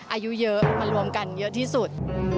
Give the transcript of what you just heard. อายุเยอะมารวมกันเยอะที่สุด